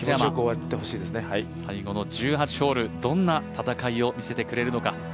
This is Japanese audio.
最後の１８ホールどんな戦いを見せてくれるのか。